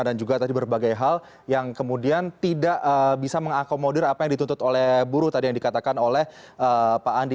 dan juga tadi berbagai hal yang kemudian tidak bisa mengakomodir apa yang dituntut oleh buru tadi yang dikatakan oleh pak andi